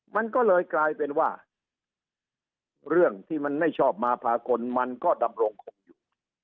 มันก็เลยกลายเป็นว่าเรื่องที่มันไม่ชอบมาพากลมันก็ดำรงคกอยู่